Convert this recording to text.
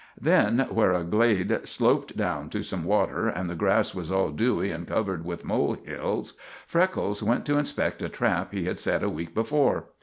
Then, where a glade sloped down to some water and the grass was all dewy and covered with mole hills, Freckles went to inspect a trap he had set a week before.